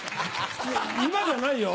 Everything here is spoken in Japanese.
今じゃないよ。